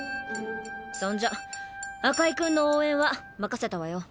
そんじゃ赤井君の応援は任せたわよ。